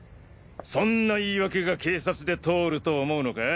そんな言い訳が警察で通ると思うのか？